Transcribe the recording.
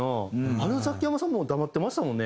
あのザキヤマさんも黙ってましたもんね。